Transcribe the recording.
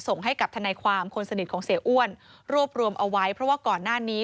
ส่งให้กับทนายความคนสนิทของเสียอ้วนรวบรวมเอาไว้เพราะว่าก่อนหน้านี้